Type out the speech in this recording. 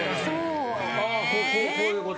・あこういうこと？